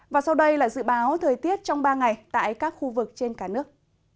và sau đây là dự báo thời tiết trong ba ngày tại các khu vực trên cả nước